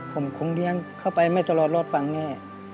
ผมคงเลี้ยงเข้าไปไม่ตลอดรอดฟังแน่